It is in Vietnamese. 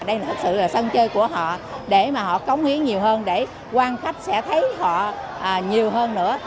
đây là thực sự là sân chơi của họ để mà họ cống hiến nhiều hơn để quan khách sẽ thấy họ nhiều hơn nữa